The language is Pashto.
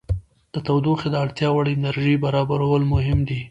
د تودوخې د اړتیا وړ انرژي برابرول مهم دي.